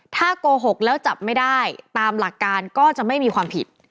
ถ้าโกหกแล้วจับไม่ได้ตามหลักการก็จะไม่มีความผิด